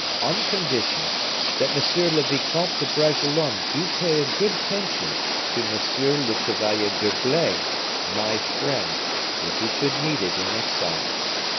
On condition that M. le Vicomte de Bragelonne do pay a good pension to M. le Chevalier d'Herblay, my friend, if he should need it in exile.